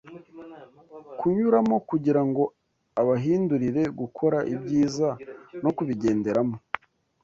kunyuramo kugira ngo abahindurire gukora ibyiza no kubigenderamo